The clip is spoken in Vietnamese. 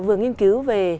vừa nghiên cứu về